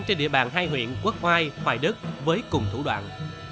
trên địa bàn hai huyện quốc oai hoài đức với cùng thủ đoạn